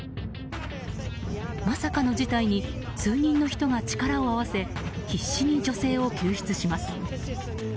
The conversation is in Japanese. まさかの事態に数人の人が力を合わせ必死に女性を救出します。